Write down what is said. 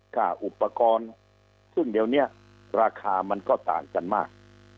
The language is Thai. ค่าอุปกรณ์ซึ่งเดี๋ยวนี้ราคามันก็ต่างกันมาก